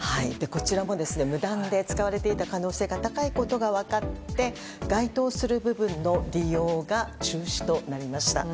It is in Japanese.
こちらも無断で使われていた可能性が高いことが分かって該当する部分の利用が中止となりました。